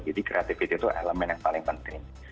jadi kreativitas itu elemen yang paling penting